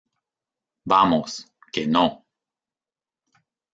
vamos, que no...